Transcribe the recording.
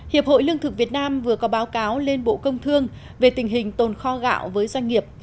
hiệp hội lương thực việt nam vừa có báo cáo lên bộ công thương về tình hình tồn kho gạo với doanh nghiệp